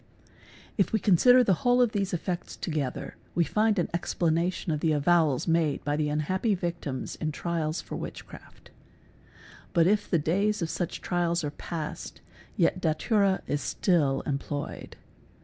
) If we consider the whole of these effects together we find an ex planation of the avowals made by the unhappy victims in trials fe witchcraft 8, But if the days of such trials are past yet dat is still employed.